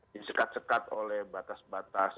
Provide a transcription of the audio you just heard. disekat sekat oleh batas batas